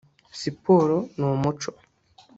siporo n’umuco